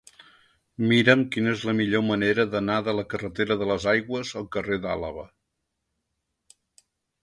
Mira'm quina és la millor manera d'anar de la carretera de les Aigües al carrer d'Àlaba.